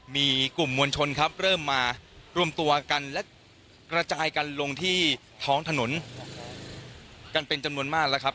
มีกลุ่มมวลชนครับเริ่มมารวมตัวกันและกระจายกันลงที่ท้องถนนกันเป็นจำนวนมากแล้วครับ